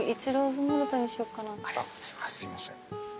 すいません。